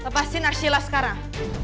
lepasin narashila sekarang